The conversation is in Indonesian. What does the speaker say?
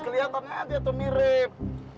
kelihatan aja tuh mirip